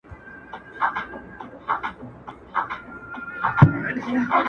د ازل تقسيم باغوان يم پيدا کړی!